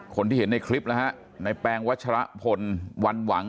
คนที่เห็นในคลิปนะฮะในแปงวัชรพลวันหวัง